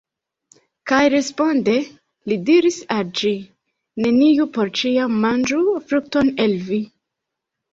Kaj responde li diris al ĝi: Neniu por ĉiam manĝu frukton el vi.